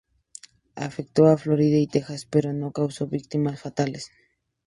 Afectó a Florida y Texas, pero no causó víctimas fatales.